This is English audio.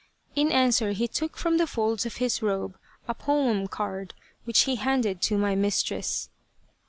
" In answer he took from the folds of his robe a poem card, which he handed to my mistress.